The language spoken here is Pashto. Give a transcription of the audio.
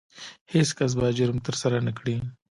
هیڅ کس باید جرم ترسره نه کړي.